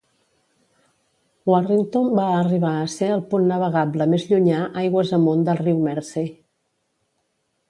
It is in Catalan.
Warrington va arribar a ser el punt navegable més llunyà aigües amunt del riu Mersey.